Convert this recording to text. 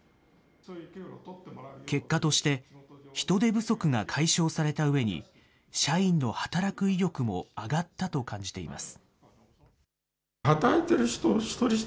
結果として、人手不足が解消されたうえに、社員の働く意欲も上がったと感じています。